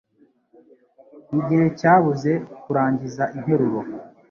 Igihe cyabuze kurangiza interuro.